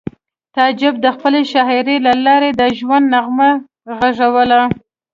تعجب د خپلې شاعرۍ له لارې د ژوند نغمه غږوله